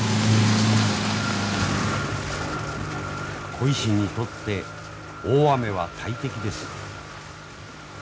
鯉師にとって大雨は大敵です。